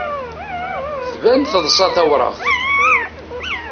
Tban teḍsa tawraɣt.